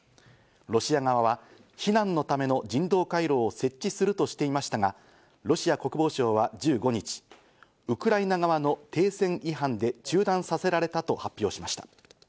ロシア側は避難のための人道回廊を設置するとしていましたが、ロシア国防省は１５日、ウクライナ側の停戦違反で中断させられたと発表しました。